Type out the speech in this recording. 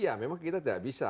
ya memang kita tidak bisa